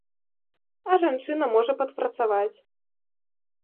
А жанчына можа падпрацаваць.